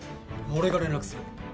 俺が連絡する。